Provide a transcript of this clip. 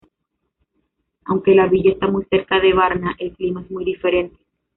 Aunque la villa está muy cerca de Varna, el clima es muy diferente.